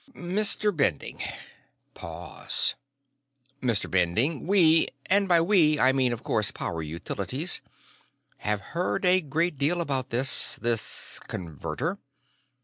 "Mr. Bending." Pause. "Mr. Bending, we and by 'we', I mean, of course, Power Utilities, have heard a great deal about this ... this Converter."